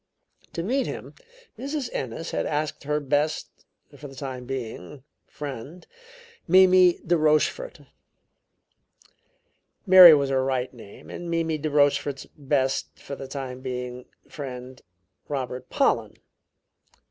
To meet him, Mrs. Ennis had asked her best, for the time being, friend, Mimi de Rochefort Mary was her right name and Mimi de Rochefort's best, for the time being, friend, Robert Pollen.